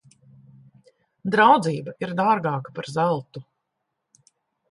Draudzība ir dārgāka par zeltu.